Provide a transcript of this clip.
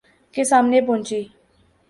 کے سامنے پہنچی